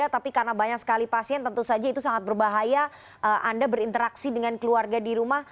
tapi karena banyak sekali pasien tentu saja itu sangat berbahaya anda berinteraksi dengan keluarga di rumah